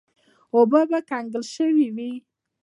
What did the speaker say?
اوبه به کنګل شوې وې.